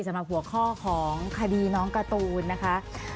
สำหรับหัวข้อของคดีน้องการ์ตูนนะคะ